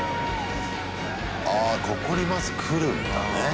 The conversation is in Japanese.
あここにバス来るんだね。